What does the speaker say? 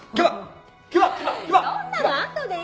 そんなのあとでいい。